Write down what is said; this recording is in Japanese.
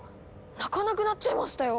鳴かなくなっちゃいましたよ。